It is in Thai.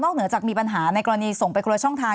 เหนือจากมีปัญหาในกรณีส่งไปคนละช่องทาง